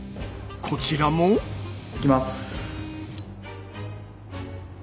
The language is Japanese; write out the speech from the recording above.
こちらも。いきます。